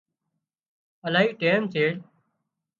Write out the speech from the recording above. الاهي ٽيم چيڙ